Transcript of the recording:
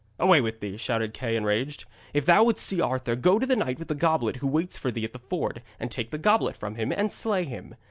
'Away with thee,' shouted Kay, enraged. 'If thou wouldst see Arthur, go to the knight with the goblet who waits for thee at the ford, and take the goblet from him, and slay him.